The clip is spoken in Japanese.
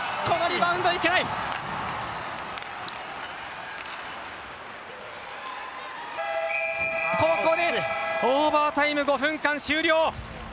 ここでオーバータイム５分間終了。